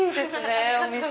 お店。